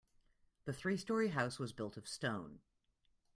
The three story house was built of stone.